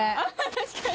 確かに！